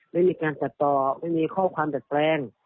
ไม่มีการตัดต่อไม่มีข้อความดัดแปลง